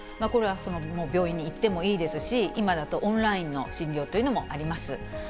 これは病院に行ってもいいですし、今だとオンラインの診療というのもあります。